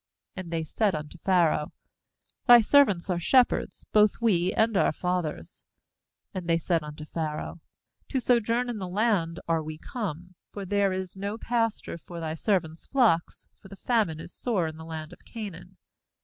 And they said unto Pharaoh: 'Thy servants are shepherds, both we, and our fathers.' 4And they said unto Pha raoh: 'To sojourn in the land are we come; for there is no pasture for thy servants' flocks; for the famine is sore in the land of Canaan.